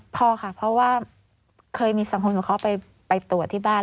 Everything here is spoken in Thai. พอค่ะเพราะว่าเคยมีสังคมของเขาไปตรวจที่บ้าน